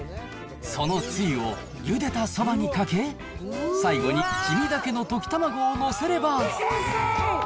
そのつゆをゆでたそばにかけ、最後に黄身だけの溶き卵を載せれば。